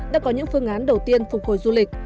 đã có những phương án đầu tiên phục hồi du lịch